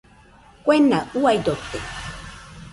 Kuena uaidote.